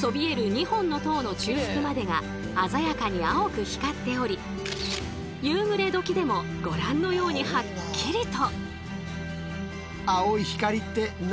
そびえる２本の塔の中腹までが鮮やかに青く光っており夕暮れ時でもご覧のようにはっきりと。